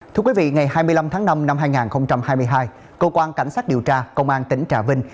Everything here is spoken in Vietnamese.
thưa quý vị ngày hai mươi năm tháng năm năm hai nghìn hai mươi hai cơ quan cảnh sát điều tra công an tỉnh trà vinh